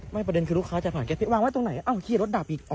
ประเด็นคือลูกค้าจะผ่านแกวางไว้ตรงไหนเอ้าขี่รถดับอีก